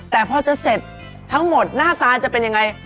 แต่พอจะเสร็จทั้งหมดหน้าตาจะเป็นยังไง